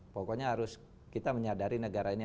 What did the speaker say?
pokoknya harus kita menyadari negara ini